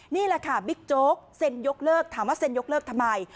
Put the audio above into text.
นี่แหละค่ะบิ๊กโจ๊กเซ็นยกเลิกถามว่าเซ็นยกเลิกทำไม